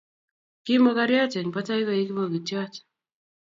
ki mokoriot eng patai koek kipokityot